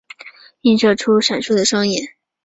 映射出闪烁的双眼